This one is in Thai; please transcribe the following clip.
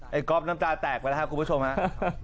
ก๊อฟน้ำตาแตกไปแล้วครับคุณผู้ชมฮะ